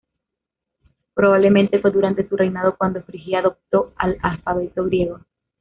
Probablemente, fue durante su reinado cuando Frigia adoptó el alfabeto griego.